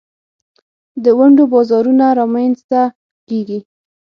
د ونډو بازارونه رامینځ ته کیږي.